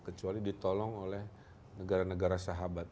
kecuali ditolong oleh negara negara sahabat